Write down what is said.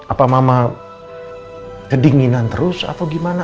apa mama kedinginan terus atau gimana